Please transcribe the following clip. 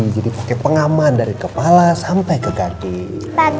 jadi pake pengaman dari kepala sampai ke gantung